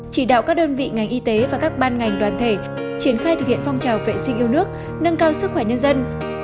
chỉ đạo các đơn vị ngành y tế và các ban ngành đoàn thể triển khai thực hiện phong trào vệ sinh yêu nước nâng cao sức khỏe nhân dân